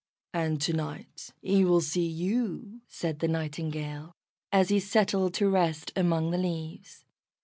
"And to night he will see you," said the Nightingale, as he settled to rest among the leaves.